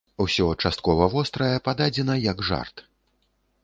Усё часткова вострае пададзена як жарт.